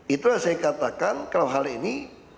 itulah saya katakan kalau hal ini